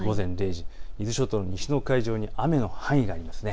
伊豆諸島、西の海上に雨の範囲があります。